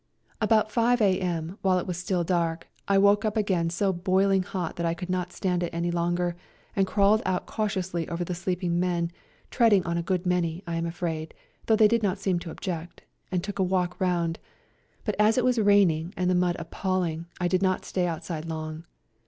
A COLD NIGHT RIDE 103 About 5 a.m., while it was still dark, I woke up again so boiling hot that I could not stand it any longer, and crawled out cautiously over the sleeping men, treading on a good many, I am afraid, though they did not seem to object, and took a walk round ; but, as it was raining and the mud appalling, I did not stay outside long.